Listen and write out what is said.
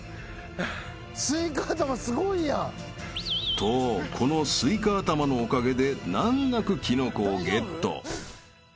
［とこのスイカ頭のおかげで難なくキノコをゲット］